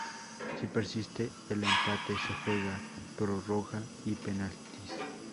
Si persiste el empate se juega prórroga y penaltis.